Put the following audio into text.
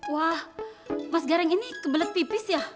wah mas garang ini kebelet pipis ya